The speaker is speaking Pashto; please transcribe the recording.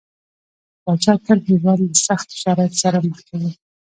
پاچا تل هيواد له سختو شرايطو سره مخ کوي .